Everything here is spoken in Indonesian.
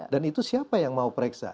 dan itu siapa yang mau pereksa